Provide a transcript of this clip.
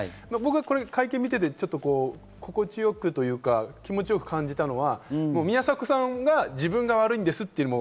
会見を見ていて、心地よくというか気持ちよく感じたのは宮迫さんは自分が悪いんですと。